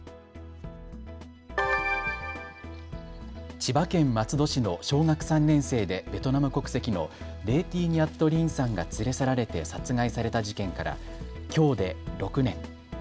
千葉県松戸市の小学３年生でベトナム国籍のレェ・ティ・ニャット・リンさんが連れ去られて殺害された事件からきょうで６年。